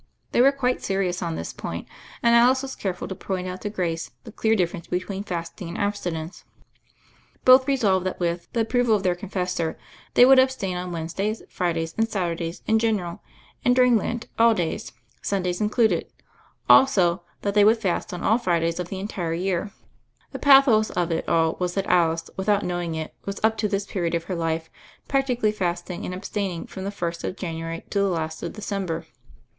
They were quite serious on this point, and Alice was careful to point out to Grace the clear difference between fasting and abstinence. Both resolved that with 148 THE FAIRY OF THE SNOWS the approval of their confessor they would ab stain on Wednesdays, Fridays, and Saturdays in general, and, during Lent, all days, Sundays in cluded; also, that they would fast on all Fri days oJF the entire year. The pathos of it all was that Alice, without knowing it, was, up to this period of her life, practically fasting and abstaining from the first of January to the last of December.